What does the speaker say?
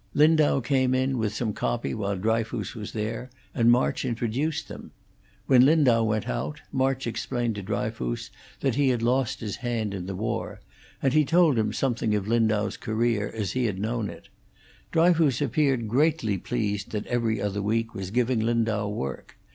Lindau came in with some copy while Dryfoos was there, and March introduced them. When Lindau went out, March explained to Dryfoos that he had lost his hand in the war; and he told him something of Lindau's career as he had known it. Dryfoos appeared greatly pleased that 'Every Other Week' was giving Lindau work.